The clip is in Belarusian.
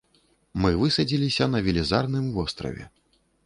Мы высадзіліся на велізарным востраве.